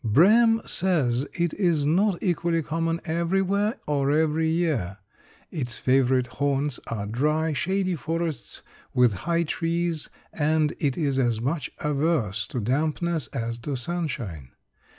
Brehm says it is not equally common everywhere or every year. Its favorite haunts are dry, shady forests with high trees and it is as much averse to dampness as to sunshine.